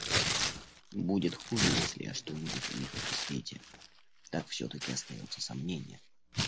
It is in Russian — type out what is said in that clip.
Будет хуже, если я что-нибудь увижу при свете, — так все-таки остается сомнение.